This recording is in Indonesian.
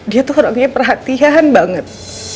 dia tuh orangnya perhatian banget